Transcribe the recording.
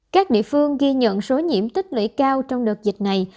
các địa phương ghi nhận số nhiễm tích lũy cao trong đợt dịch này